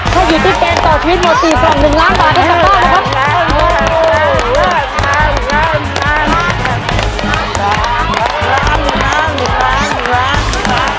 ถ้าอยู่ที่เกมต่อชีวิตหมด๔กล่อง๑๐๐๐๐๐๐บาท